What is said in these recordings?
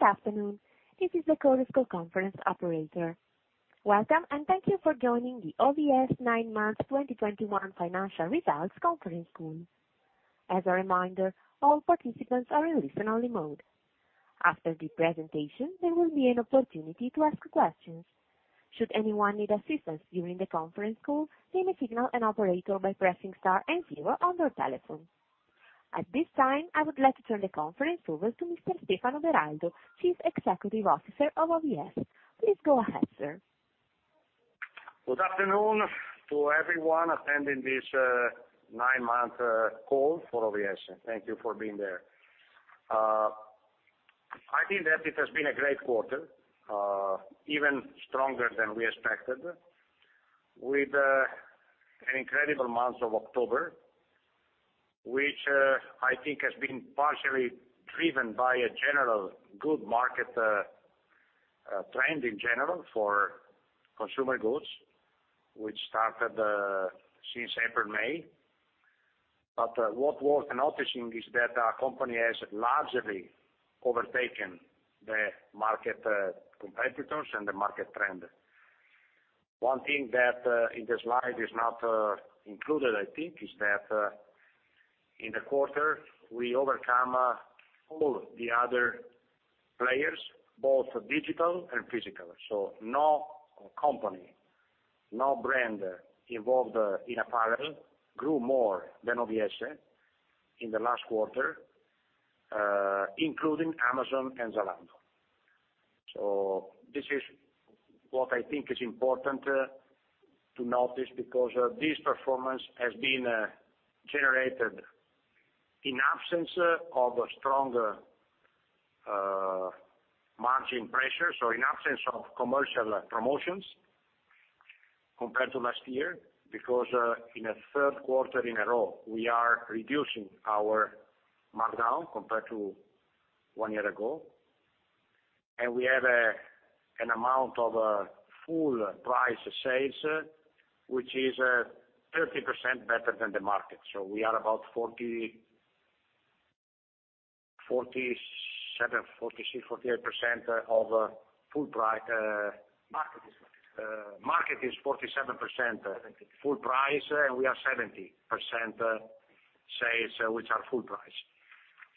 Good afternoon. This is the call conference operator. Welcome, and thank you for joining the OVS nine months 2021 financial results conference call. As a reminder, all participants are in listen-only mode. After the presentation, there will be an opportunity to ask questions. Should anyone need assistance during the conference call, please signal an operator by pressing star and zero on their telephone. At this time, I would like to turn the conference over to Mr. Stefano Beraldo, Chief Executive Officer of OVS. Please go ahead, sir. Good afternoon to everyone attending this nine-month call for OVS. Thank you for being there. I think that it has been a great quarter, even stronger than we expected, with an incredible month of October, which I think has been partially driven by a general good market trend in general for consumer goods, which started since April, May. What worth noticing is that our company has largely overtaken the market competitors and the market trend. One thing that in the slide is not included, I think, is that in the quarter, we overcome all the other players, both digital and physical. No company, no brand involved in apparel grew more than OVS in the last quarter, including Amazon and Zalando. This is what I think is important to notice, because this performance has been generated in absence of stronger margin pressure, in absence of commercial promotions compared to last year, because in a third quarter in a row, we are reducing our markdown compared to one year ago, and we have an amount of full price sales, which is 30% better than the market. We are about 47%, 46%, 48% of full price Market is. Market is 47% full price, we are 70% sales which are full price.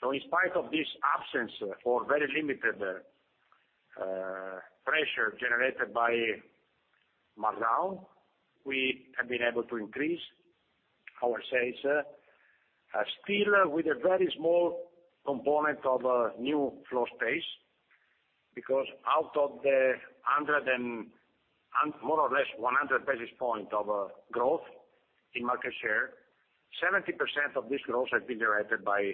In spite of this absence or very limited pressure generated by markdown, we have been able to increase our sales, still with a very small component of new floor space, because out of the more or less 100 basis points of growth in market share, 70% of this growth has been generated by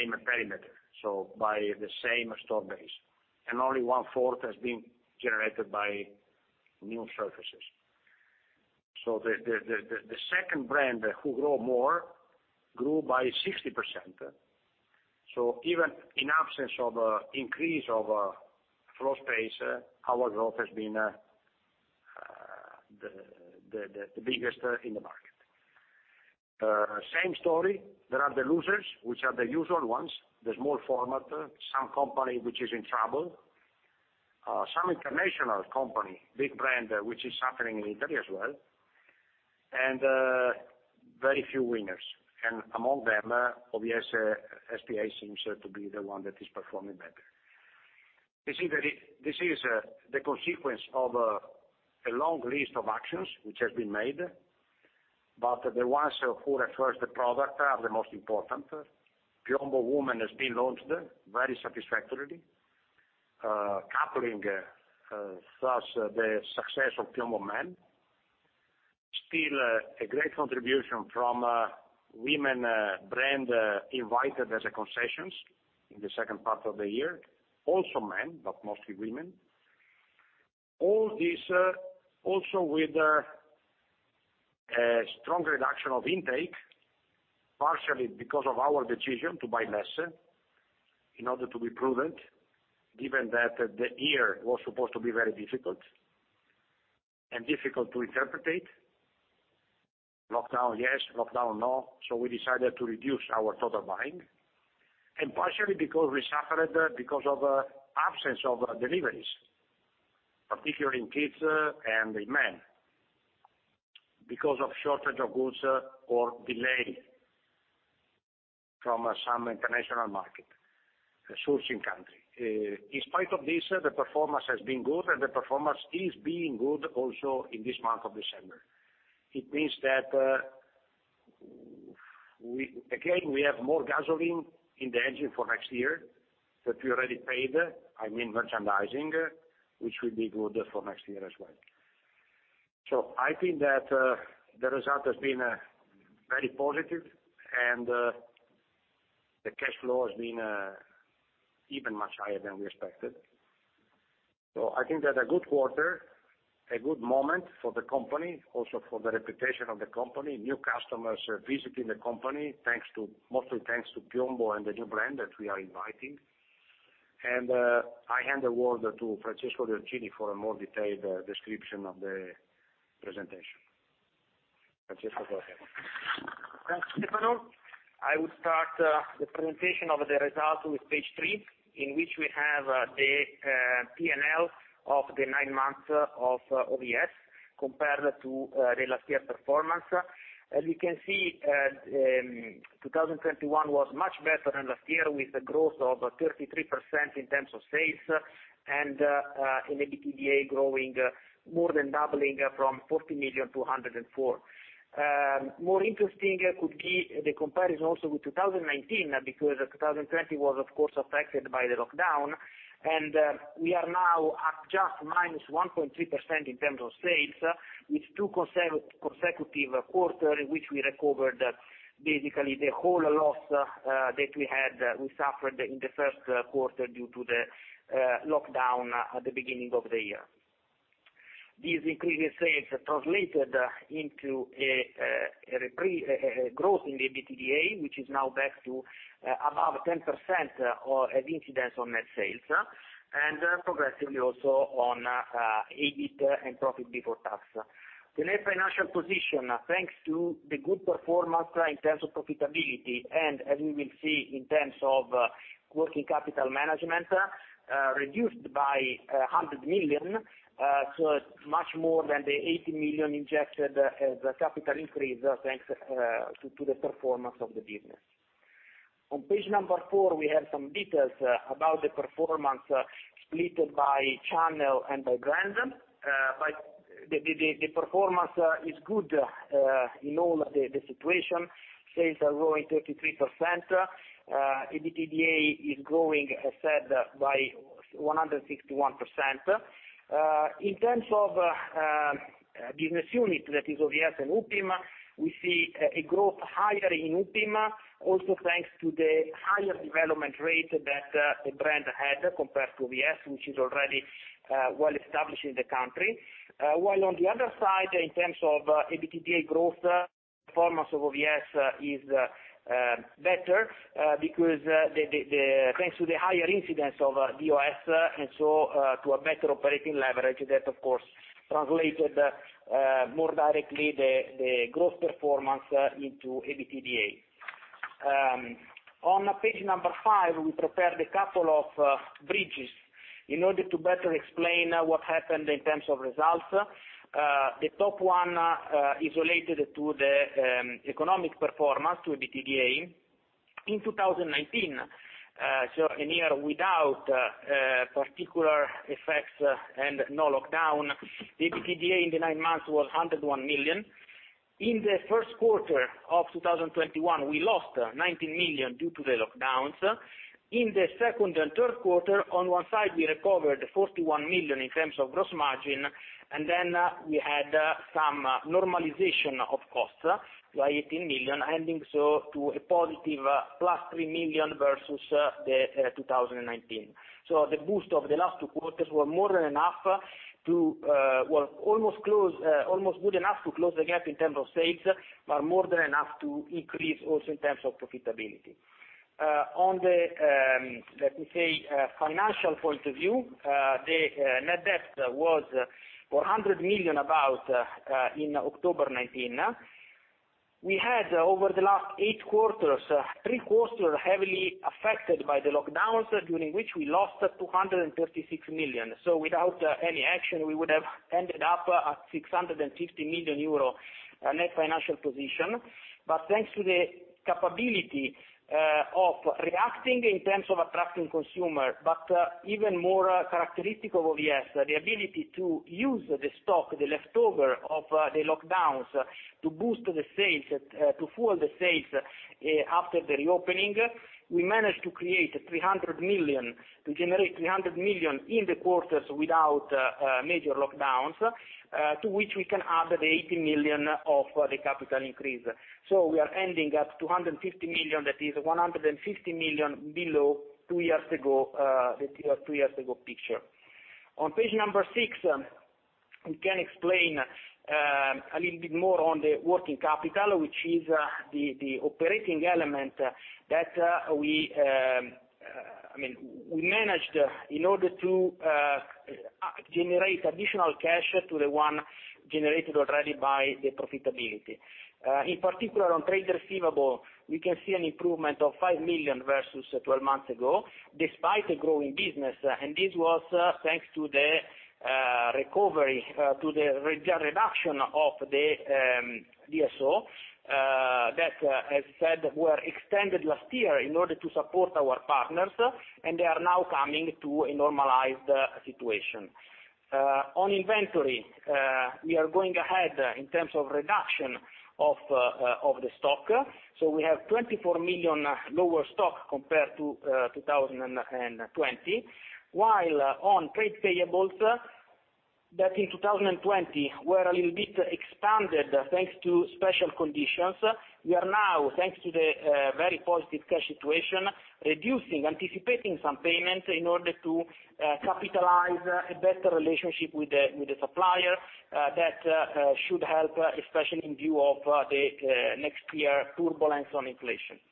same perimeter, so by the same store base, and only one-fourth has been generated by new surfaces. The second brand who grow more grew by 60%. Even in absence of increase of floor space, our growth has been the biggest in the market. Same story. There are the losers, which are the usual ones, the small format, some company which is in trouble, some international company, big brand, which is suffering in Italy as well, and very few winners. Among them, OVS S.p.A. seems to be the one that is performing better. This is the consequence of a long list of actions which have been made, but the ones who refers the product are the most important. Piombo Woman has been launched very satisfactorily, coupling thus the success of Piombo Man. Still a great contribution from women brand invited as a concessions in the second part of the year. Also men, but mostly women. All this also with a strong reduction of intake, partially because of our decision to buy less in order to be prudent, given that the year was supposed to be very difficult and difficult to interpret. Lockdown yes, lockdown no. We decided to reduce our total buying, and partially because we suffered because of absence of deliveries, particularly in kids and in men, because of shortage of goods or delay from some international market, sourcing country. In spite of this, the performance has been good, and the performance is being good also in this month of December. It means that, again, we have more gasoline in the engine for next year that we already paid, I mean merchandising, which will be good for next year as well. I think that the result has been very positive, and the cash flow has been even much higher than we expected. I think that a good quarter, a good moment for the company, also for the reputation of the company. New customers are visiting the company, mostly thanks to Piombo and the new brand that we are inviting. I hand the word to Francesco Reggiani for a more detailed description of the presentation. Francesco, go ahead. Thanks, Stefano. I will start the presentation of the results with page three, in which we have the P&L of the nine months of OVS compared to the last year's performance. As you can see, 2021 was much better than last year, with a growth of 33% in terms of sales, and in EBITDA more than doubling from 40 million to 104. More interesting could be the comparison also with 2019, because 2020 was, of course, affected by the lockdown. We are now at just minus 1.3% in terms of sales, with two consecutive quarters in which we recovered basically the whole loss that we suffered in the first quarter due to the lockdown at the beginning of the year. These increased sales translated into a growth in the EBITDA, which is now back to above 10% of incidence on net sales, and progressively also on EBIT and profit before tax. The net financial position, thanks to the good performance in terms of profitability, and as we will see in terms of working capital management, reduced by 100 million, so much more than the 80 million injected as capital increase, thanks to the performance of the business. On page number four, we have some details about the performance splitted by channel and by brand. The performance is good in all the situations. Sales are growing 33%. EBITDA is growing, as said, by 161%. In terms of business unit, that is OVS and Upim, we see a growth higher in Upim, also thanks to the higher development rate that the brand had compared to OVS, which is already well established in the country. While on the other side, in terms of EBITDA growth, performance of OVS is better thanks to the higher incidence of DOS, so to a better operating leverage that of course translated more directly the growth performance into EBITDA. On page number five, we prepared a couple of bridges in order to better explain what happened in terms of results. The top one is related to the economic performance to EBITDA. In 2019, so a year without particular effects and no lockdown, the EBITDA in the nine months was 101 million. In the first quarter of 2021, we lost 19 million due to the lockdowns. In the second and third quarter, on one side, we recovered 41 million in terms of gross margin. Then we had some normalization of costs by 18 million, ending so to a positive plus 3 million versus the 2019. The boost of the last two quarters were almost good enough to close the gap in terms of sales, but more than enough to increase also in terms of profitability. On the, let me say, financial point of view, the net debt was 400 million about in October 2019. We had, over the last eight quarters, three quarters heavily affected by the lockdowns, during which we lost 236 million. Without any action, we would have ended up at 650 million euro net financial position. Thanks to the capability of reacting in terms of attracting consumer, but even more characteristic of OVS, the ability to use the stock, the leftover of the lockdowns to boost the sales, to fuel the sales after the reopening, we managed to generate 300 million in the quarters without major lockdowns, to which we can add the 80 million of the capital increase. We are ending at 250 million, that is 150 million below the two years ago picture. On page number six, we can explain a little bit more on the working capital, which is the operating element that we managed in order to generate additional cash to the one generated already by the profitability. In particular, on trade receivables, we can see an improvement of 5 million versus 12 months ago, despite the growing business, and this was thanks to the reduction of the DSO that, as said, were extended last year in order to support our partners, and they are now coming to a normalized situation. On inventory, we are going ahead in terms of reduction of the stock. We have 24 million lower stock compared to 2020. While on trade payables, that in 2020 were a little bit expanded thanks to special conditions. We are now, thanks to the very positive cash situation, reducing, anticipating some payments in order to capitalize a better relationship with the supplier. That should help, especially in view of the next year turbulence on inflation.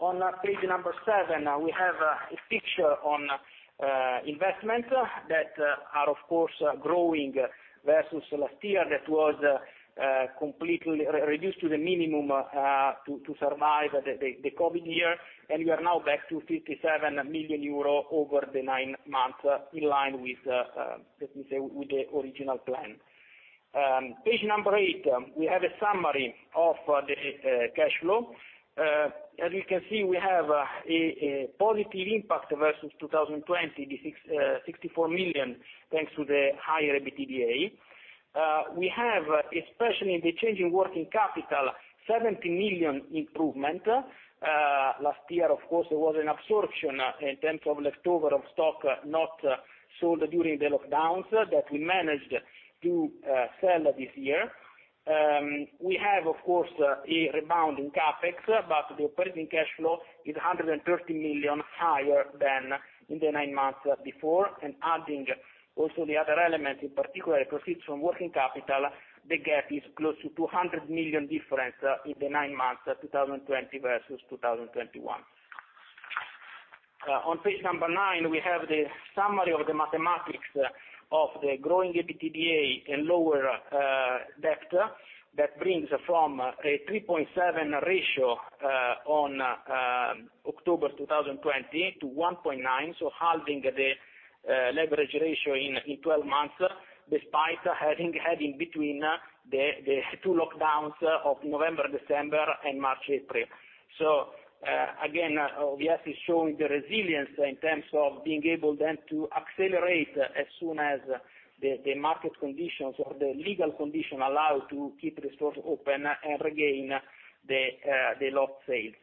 On page number seven, we have a picture on investment that are, of course, growing versus last year, that was completely reduced to the minimum to survive the COVID year. We are now back to 57 million euro over the nine months, in line with the original plan. Page number eight, we have a summary of the cash flow. As you can see, we have a positive impact versus 2020, the 64 million, thanks to the higher EBITDA. We have, especially in the change in working capital, 70 million improvement. Last year, of course, there was an absorption in terms of leftover of stock not sold during the lockdowns that we managed to sell this year. We have, of course, a rebound in CapEx, but the operating cash flow is 130 million higher than in the nine months before. Adding also the other elements, in particular, proceeds from working capital, the gap is close to 200 million difference in the nine months 2020 versus 2021. On page number nine, we have the summary of the mathematics of the growing EBITDA and lower debt. That brings from a 3.7 ratio on October 2020 to 1.9, halving the leverage ratio in 12 months, despite having had in between the two lockdowns of November, December and March, April. Again, OVS is showing the resilience in terms of being able then to accelerate as soon as the market conditions or the legal condition allow to keep the stores open and regain the lost sales.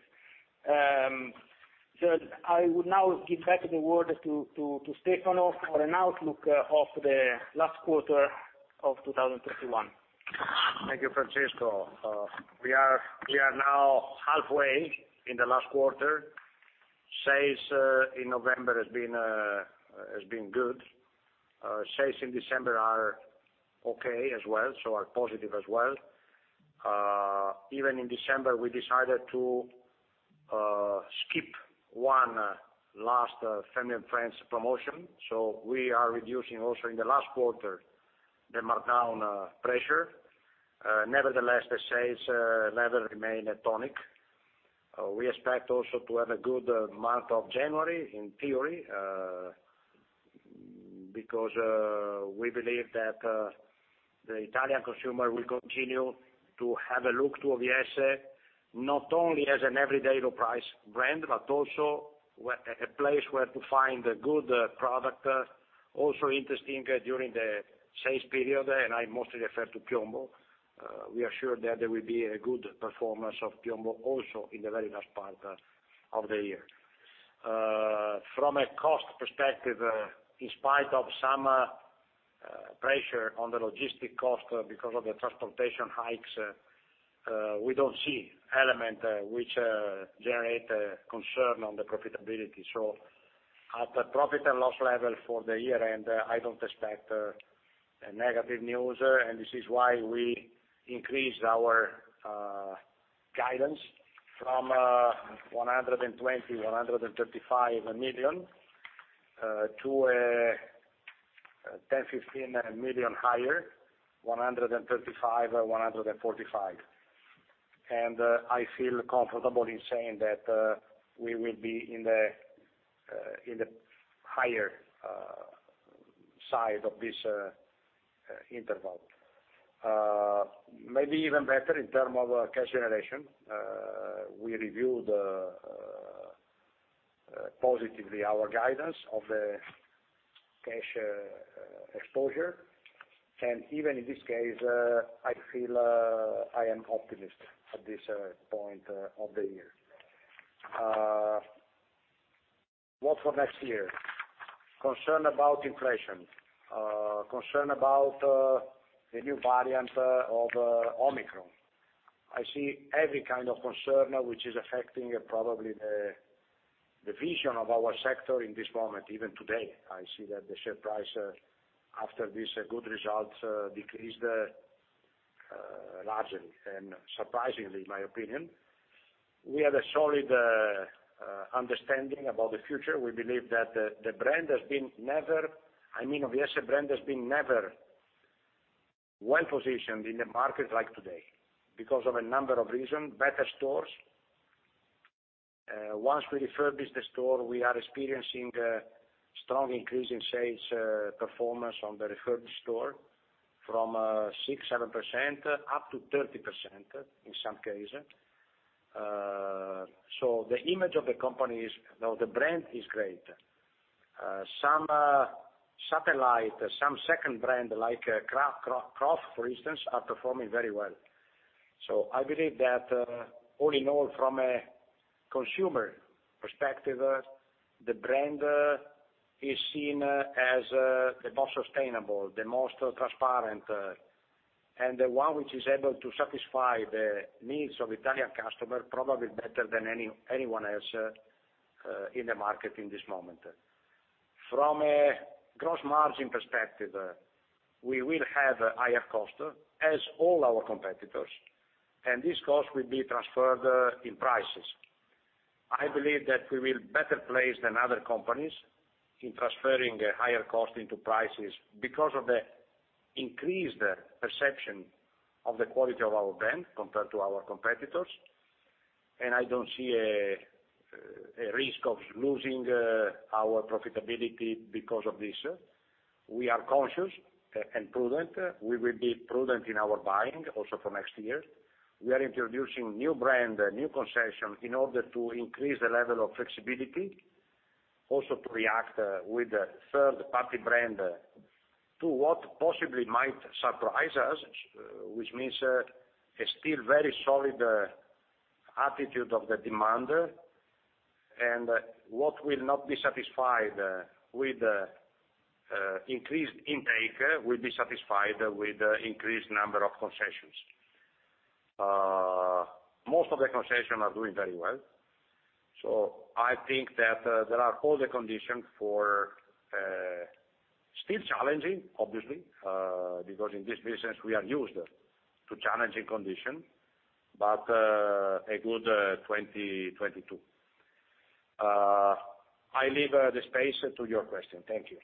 I would now give back the word to Stefano for an outlook of the last quarter of 2021. Thank you, Francesco. We are now halfway in the last quarter. Sales in November has been good. Sales in December are okay as well, are positive as well. Even in December, we decided to skip one last family and friends promotion. We are reducing also in the last quarter, the markdown pressure. Nevertheless, the sales level remain tonic. We expect also to have a good month of January, in theory, because we believe that the Italian consumer will continue to have a look to OVS, not only as an everyday low price brand, but also a place where to find a good product. Also interesting during the sales period, and I mostly refer to Piombo. We are sure that there will be a good performance of Piombo also in the very last part of the year. From a cost perspective, in spite of some pressure on the logistic cost because of the transportation hikes, we don't see element which generate concern on the profitability. At the profit and loss level for the year end, I don't expect a negative news, and this is why we increased our guidance from 120 million-135 million, to 10 million-15 million higher, 135 million-145 million. I feel comfortable in saying that we will be in the higher side of this interval. Maybe even better in term of cash generation. We reviewed positively our guidance of the cash exposure. Even in this case, I feel I am optimist at this point of the year. What for next year? Concern about inflation. Concern about the new variant of Omicron. I see every kind of concern which is affecting probably the vision of our sector in this moment, even today. I see that the share price after this good result decreased largely and surprisingly, in my opinion. We have a solid understanding about the future. We believe that the OVS brand has been never well positioned in the market like today because of a number of reason, better stores. Once we refurbish the store, we are experiencing strong increase in sales performance on the refurbished store from 6%-7%, up to 30% in some case. The image of the brand is great. Some satellite, some second brand, like Croff, for instance, are performing very well. I believe that all in all, from a consumer perspective, the brand is seen as the most sustainable, the most transparent, and the one which is able to satisfy the needs of Italian customer, probably better than anyone else in the market in this moment. From a gross margin perspective, we will have higher cost as all our competitors, this cost will be transferred in prices. I believe that we will better place than other companies in transferring a higher cost into prices because of the increased perception of the quality of our brand compared to our competitors. I don't see a risk of losing our profitability because of this. We are conscious and prudent. We will be prudent in our buying also for next year. We are introducing new brand, new concession in order to increase the level of flexibility, also to react with a third-party brand to what possibly might surprise us, which means a still very solid attitude of the demand, and what will not be satisfied with increased intake will be satisfied with increased number of concessions. Most of the concessions are doing very well. I think that there are all the conditions for still challenging, obviously, because in this business we are used to challenging condition, but a good 2022. I leave the space to your question. Thank you.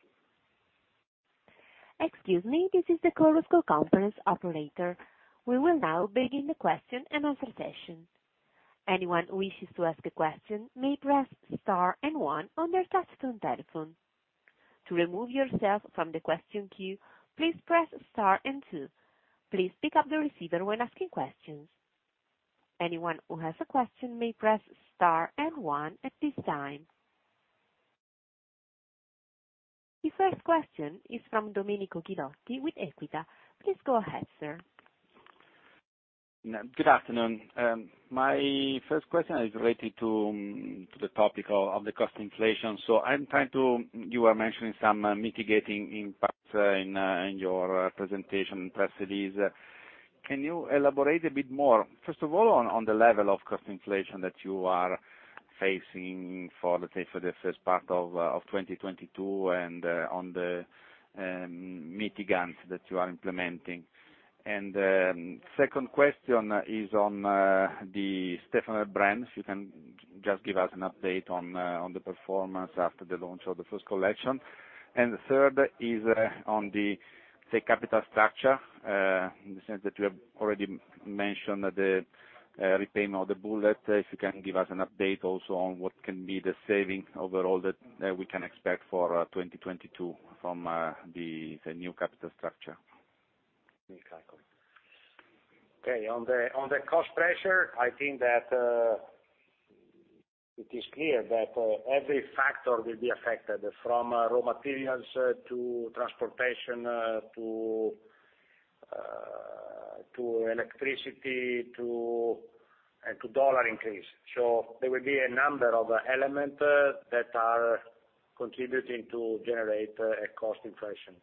Excuse me, this is the Chorus Call conference operator. We will now begin the question and answer session. Anyone who wishes to ask a question may press star and one on their touch-tone telephone. To remove yourself from the question queue, please press star and two. Please pick up the receiver when asking questions. Anyone who has a question may press star and one at this time. The first question is from Domenico Ghilotti with Equita. Please go ahead, sir. Good afternoon. My first question is related to the topic of the cost inflation. I'm trying to You were mentioning some mitigating impacts in your presentation precisely. Can you elaborate a bit more, first of all, on the level of cost inflation that you are facing for the first part of 2022 and on the mitigants that you are implementing? Second question is on the Stefanel brands. You can just give us an update on the performance after the launch of the first collection. The third is on the, say, capital structure, in the sense that you have already mentioned the repayment of the bullet. If you can give us an update also on what can be the saving overall that we can expect for 2022 from the new capital structure. Okay. On the cost pressure, I think that it is clear that every factor will be affected, from raw materials to transportation, to electricity, and to USD increase. There will be a number of elements that are contributing to generate a cost inflation.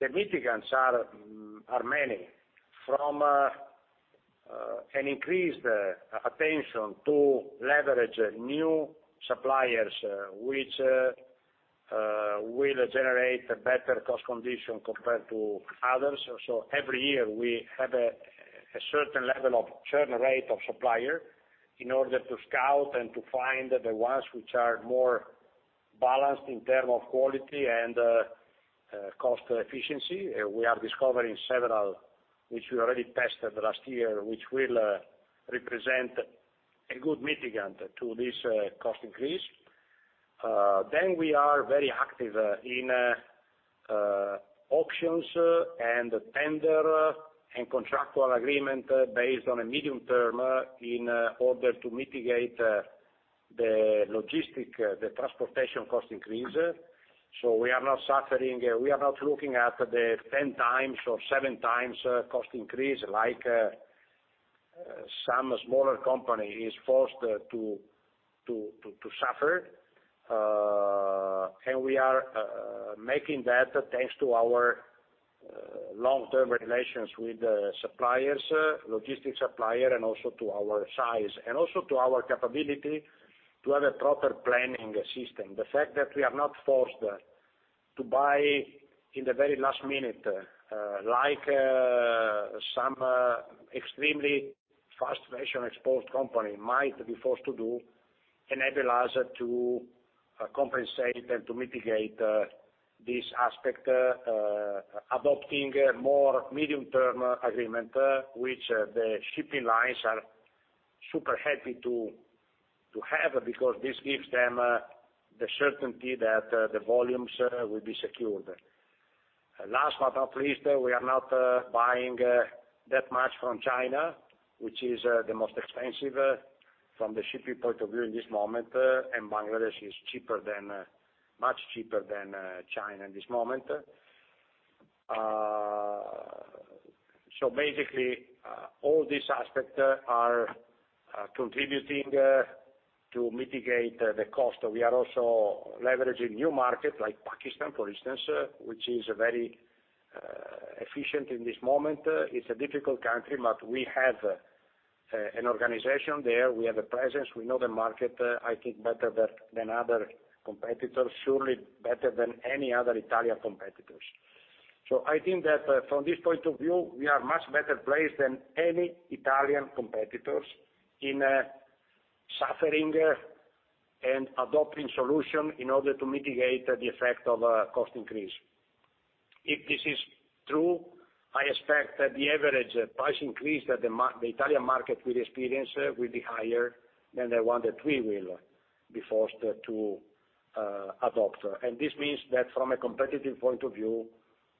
The mitigants are many, from an increased attention to leverage new suppliers which will generate a better cost condition compared to others. Every year we have a certain level of churn rate of supplier in order to scout and to find the ones which are more balanced in term of quality and cost efficiency. We are discovering several, which we already tested last year, which will represent a good mitigant to this cost increase. We are very active in auctions and tender and contractual agreement based on a medium term in order to mitigate the logistic, the transportation cost increase. We are not suffering. We are not looking at the 10 times or 7 times cost increase like some smaller company is forced to suffer. We are making that thanks to our long-term relations with suppliers, logistic supplier, and also to our size and also to our capability to have a proper planning system. The fact that we are not forced to buy in the very last minute, like some extremely fast fashion exposed company might be forced to do, enable us to compensate and to mitigate this aspect, adopting more medium-term agreement, which the shipping lines are super happy to have because this gives them the certainty that the volumes will be secured. Last but not least, we are not buying that much from China, which is the most expensive from the shipping point of view in this moment, and Bangladesh is much cheaper than China in this moment. Basically, all these aspects are contributing to mitigate the cost. We are also leveraging new markets like Pakistan, for instance, which is very efficient in this moment. It's a difficult country, but we have an organization there. We have a presence. We know the market, I think, better than other competitors, surely better than any other Italian competitors. I think that from this point of view, we are much better placed than any Italian competitors in suffering and adopting solution in order to mitigate the effect of cost increase. If this is true, I expect that the average price increase that the Italian market will experience will be higher than the one that we will be forced to adopt. This means that from a competitive point of view,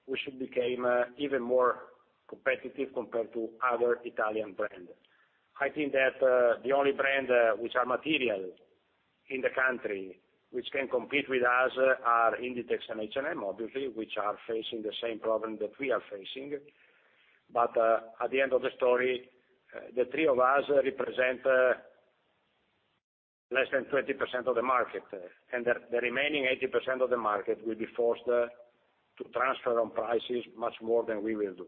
we should become even more competitive compared to other Italian brands. I think that the only brand which are material in the country, which can compete with us are Inditex and H&M, obviously, which are facing the same problem that we are facing. At the end of the story, the three of us represent less than 20% of the market. The remaining 80% of the market will be forced to transfer on prices much more than we will do.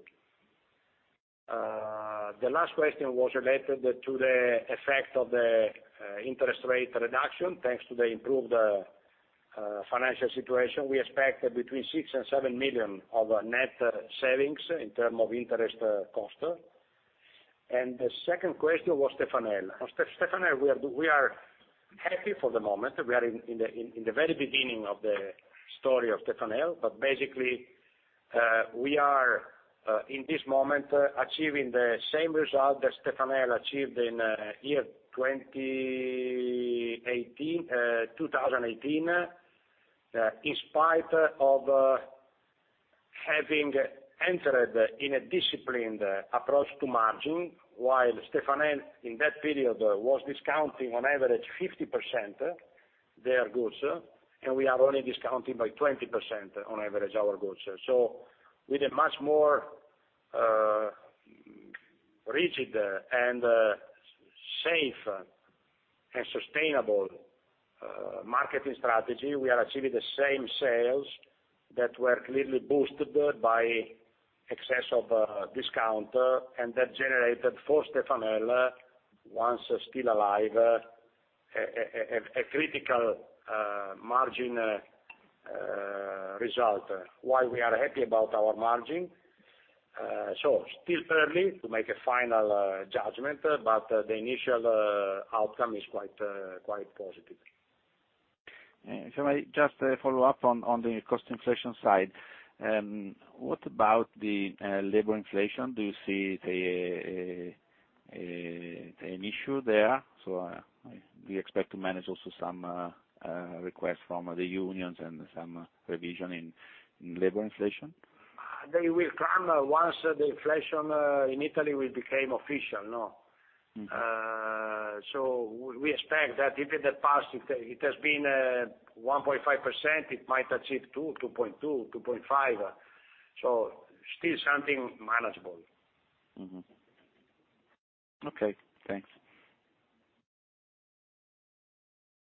The last question was related to the effect of the interest rate reduction. Thanks to the improved financial situation, we expect between six and seven million of net savings in term of interest cost. The second question was Stefanel. On Stefanel, we are happy for the moment. We are in the very beginning of the story of Stefanel. Basically, we are, in this moment, achieving the same result that Stefanel achieved in year 2018, in spite of having entered in a disciplined approach to margin, while Stefanel, in that period, was discounting on average 50% their goods, and we are only discounting by 20% on average our goods. With a much more rigid and safe and sustainable marketing strategy, we are achieving the same sales that were clearly boosted by excess of discount. That generated, for Stefanel, once still alive, a critical margin result, while we are happy about our margin. Still early to make a final judgment, but the initial outcome is quite positive. If I just follow up on the cost inflation side. What about the labor inflation? Do you see an issue there? Do you expect to manage also some requests from the unions and some revision in labor inflation? They will come once the inflation in Italy will become official, no? We expect that if in the past it has been 1.5%, it might achieve 2%, 2.2%, 2.5%. Still something manageable. Mm-hmm. Okay, thanks.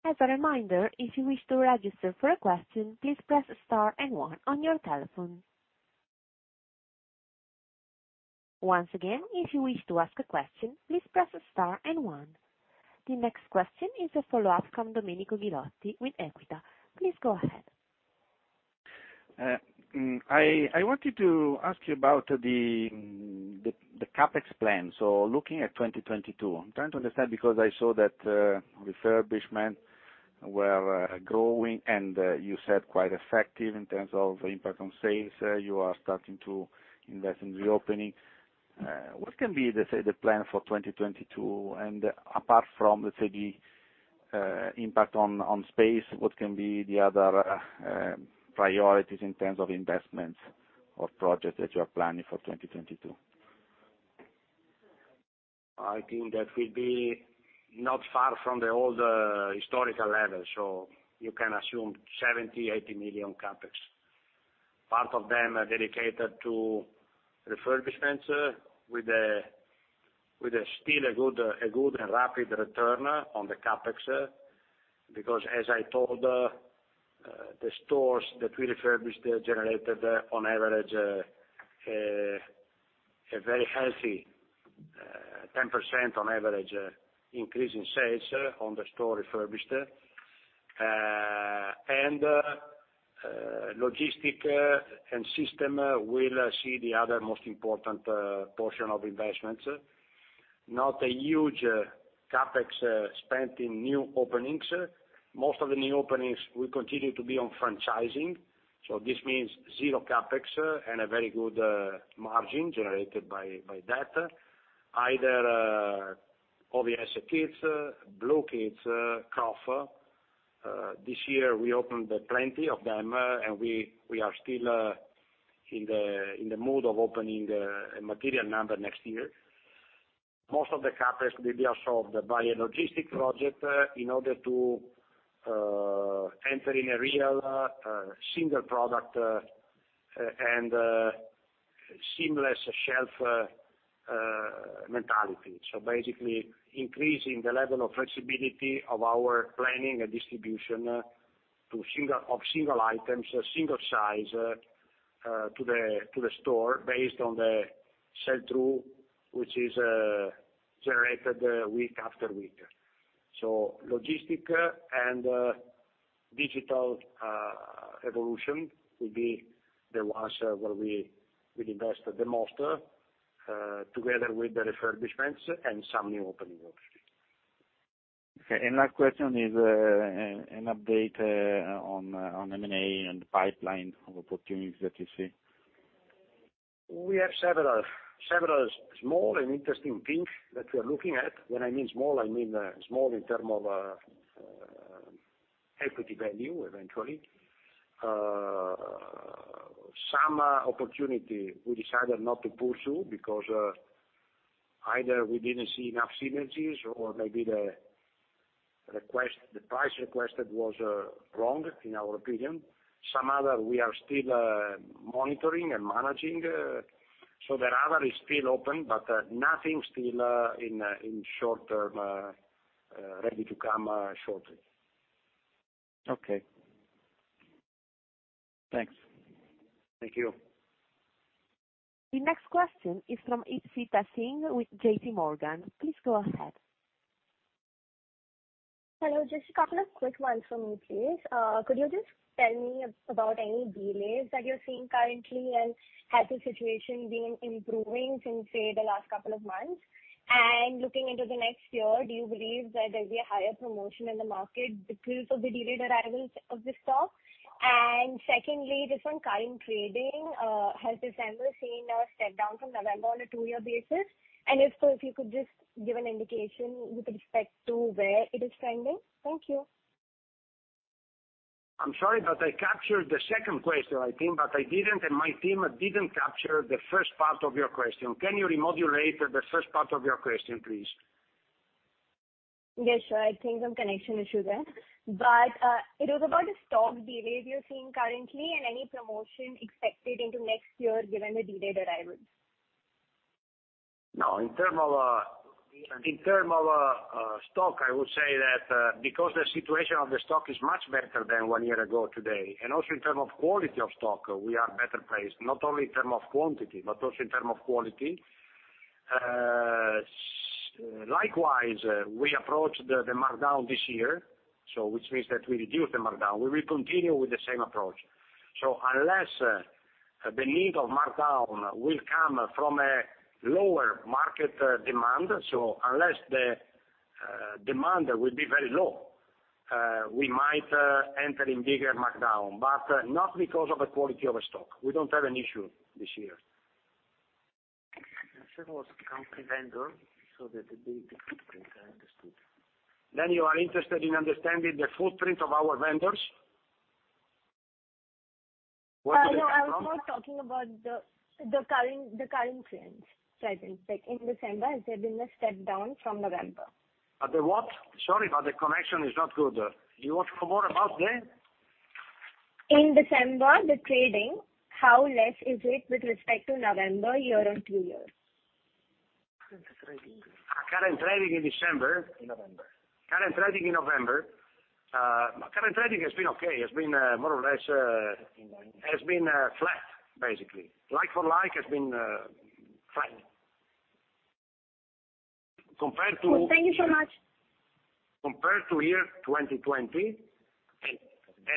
As a reminder, if you wish to register for a question, please press Star and One on your telephone. Once again, if you wish to ask a question, please press Star and One. The next question is a follow-up from Domenico Ghilotti with Equita. Please go ahead. I wanted to ask you about the CapEx plan. Looking at 2022, I'm trying to understand because I saw that refurbishment were growing and you said quite effective in terms of impact on sales. You are starting to invest in reopening. What can be, let's say, the plan for 2022, and apart from, let's say, the impact on space, what can be the other priorities in terms of investments or projects that you are planning for 2022? I think that will be not far from the old historical level. You can assume 70 million-80 million CapEx. Part of them are dedicated to refurbishments with a still a good and rapid return on the CapEx, because as I told, the stores that we refurbished generated on average, a very healthy 10% on average increase in sales on the store refurbished. Logistic and system will see the other most important portion of investments. Not a huge CapEx spent in new openings. Most of the new openings will continue to be on franchising. This means zero CapEx and a very good margin generated by that. Either OVS Kids, Blukids, Croff. This year, we opened plenty of them, and we are still in the mood of opening a material number next year. Most of the CapEx will be absorbed by a logistic project in order to enter in a real single product and seamless shelf mentality. Basically, increasing the level of flexibility of our planning and distribution of single items, a single size to the store based on the sell through, which is generated week after week. Logistic and digital evolution will be the ones where we will invest the most, together with the refurbishments and some new openings obviously. Okay, last question is an update on M&A and the pipeline of opportunities that you see. We have several small and interesting things that we are looking at. When I mean small, I mean small in terms of equity value, eventually. Some opportunity we decided not to pursue because either we didn't see enough synergies or maybe the price requested was wrong, in our opinion. Some other, we are still monitoring and managing. The other is still open, but nothing still in short term, ready to come shortly. Okay. Thanks. Thank you. The next question is from Ishita Singh with JP Morgan. Please go ahead. Hello, just a couple of quick ones from me, please. Could you just tell me about any delays that you're seeing currently, and has the situation been improving since, say, the last couple of months? Looking into the next year, do you believe that there'll be a higher promotion in the market because of the delayed arrivals of the stock? Secondly, just on current trading, has December seen a step down from November on a two-year basis? If so, if you could just give an indication with respect to where it is trending. Thank you. I'm sorry, but I captured the second question, I think, but I didn't, and my team didn't capture the first part of your question. Can you remodulate the first part of your question, please? Yes, sure. I think some connection issue there. It was about the stock delay that you're seeing currently and any promotion expected into next year given the delayed arrivals. No, in terms of stock, I would say that because the situation of the stock is much better than one year ago today, and also in terms of quality of stock, we are better placed, not only in terms of quantity, but also in terms of quality. Likewise, we approached the markdown this year, which means that we reduced the markdown. We will continue with the same approach. Unless the need of markdown will come from a lower market demand, unless the demand will be very low, we might enter in bigger markdown, but not because of the quality of the stock. We don't have an issue this year. You are interested in understanding the footprint of our vendors? Where they come from? No, I was more talking about the current trends present, like in December, has there been a step down from November? Sorry, the connection is not good. Do you want to know more about the In December, the trading, how less is it with respect to November year on two years? Current trading. Current trading in December? In November. Current trading in November. Current trading has been okay. It's been flat, basically. Like for like has been flat. Thank you so much. Compared to year 2020,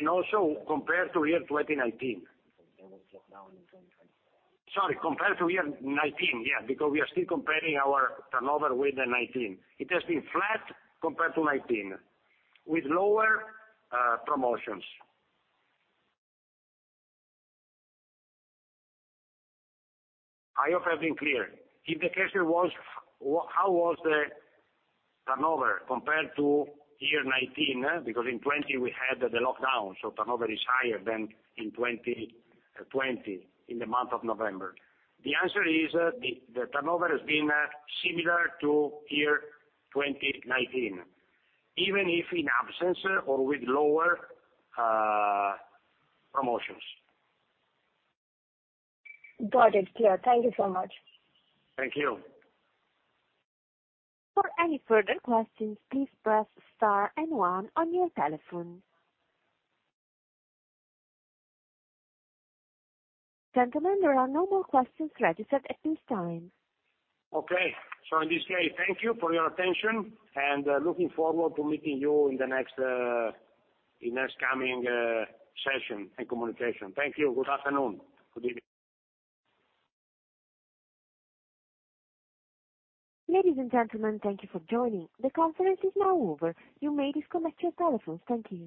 also compared to year 2019. Sorry, compared to year 2019, yeah, because we are still comparing our turnover with the 2019. It has been flat compared to 2019, with lower promotions. I hope I've been clear. If the question was, how was the turnover compared to year 2019, because in 2020 we had the lockdown, so turnover is higher than in 2020, in the month of November. The answer is, the turnover has been similar to year 2019, even if in absence or with lower promotions. Got it, clear. Thank you so much. Thank you. For any further questions, please press Star and one on your telephone. Gentlemen, there are no more questions registered at this time. Okay. In this case, thank you for your attention, and looking forward to meeting you in the next coming session and communication. Thank you. Good afternoon. Good evening. Ladies and gentlemen, thank you for joining. The conference is now over. You may disconnect your telephones. Thank you.